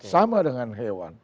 sama dengan hewan